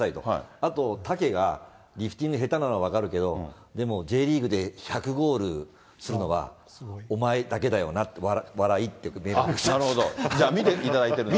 あと、たけがリフティング下手なのは分かるけど、でもＪリーグで１００ゴールするのは、お前だけだよなって、じゃあ見ていただいてるんだ。